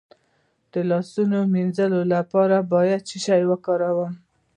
د لاسونو د مینځلو لپاره باید څه شی وکاروم؟